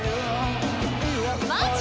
マジ？